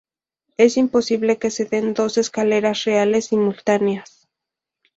Es imposible que se den dos escaleras reales simultáneas.